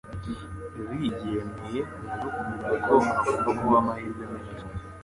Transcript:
Lee yemeye na Rukundo ko hagomba kubaho amahirwe menshi